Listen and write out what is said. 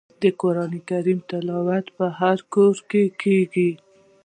د قران کریم تلاوت په هر کور کې کیږي.